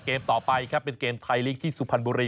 เกมต่อไปครับเป็นเกมไทยลีกที่สุพรรณบุรี